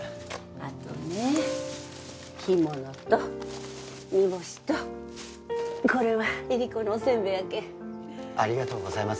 あとね干物と煮干しとこれはいりこのおせんべいやけんありがとうございます